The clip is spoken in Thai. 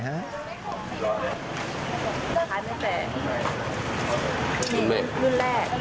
ค้านันแต่วุ่นแรก